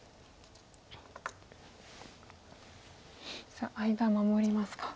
さあ間守りますか。